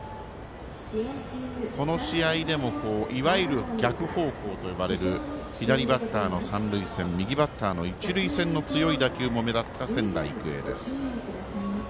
この試合でもいわゆる逆方向といわれる左バッターの三塁線右バッターの一塁線の強い打球も目立った仙台育英です。